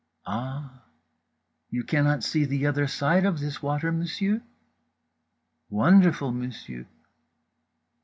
"Ah! You cannot see the other side of this water, monsieur? Wonderful, monsieur!"